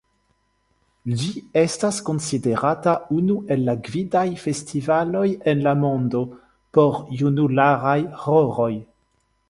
Ĝi estas konsiderata unu el la gvidaj festivaloj en la mondo por junularaj ĥoroj.